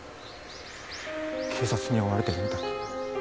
警察に追われてるんだ。